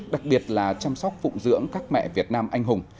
đặc biệt là chăm sóc phụng dưỡng các mẹ việt nam anh hùng